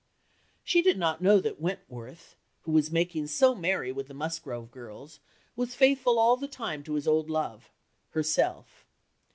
She did not know that Wentworth, who was making so merry with the Musgrove girls, was faithful all the time to his old love herself.